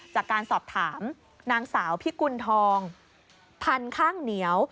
จากการสอบถามนางสาวพิกุณฑองพันธุ์ข้างเหนียว